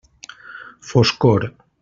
Foscor.